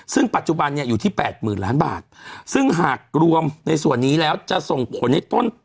ซึ่งปัจจุบันเนี่ยอยู่ที่แปดหมื่นล้านบาทซึ่งหากรวมในส่วนนี้แล้วจะส่งผลให้ต้น